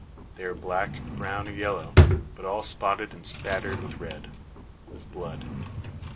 They are black, brown, or yellow; but all spotted and spattered with red with blood!